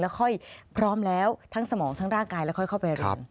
ค่อยพร้อมแล้วทั้งสมองทั้งร่างกายแล้วค่อยเข้าไปเรียน